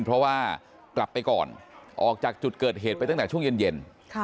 เพราะว่ากลับไปก่อนออกจากจุดเกิดเหตุไปตั้งแต่ช่วงเย็น